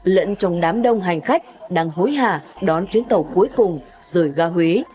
lẫn trong đám đông hành khách đang hối hạ đón chuyến tàu cuối cùng rời ra huế